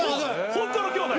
ホントの兄弟。